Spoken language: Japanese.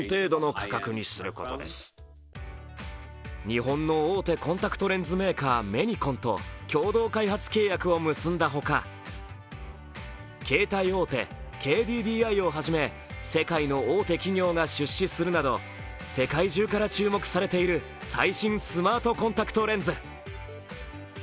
日本の大手コンタクトレンズメーカー・メニコンと共同開発契約を結んだほか、携帯大手ＫＤＤＩをはじめ世界の大手企業が出資するなど世界中から注目されている最新スマートコンタクトレンズ。